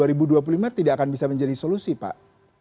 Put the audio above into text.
itu tidak akan bisa menjadi solusi pak